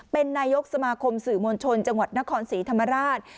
เป็นนายกสมาคมสื่อมวลชนจังหวัดนครศรีธรรมราช